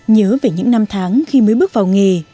nhớ về những năm tháng khi mới bước vào nghề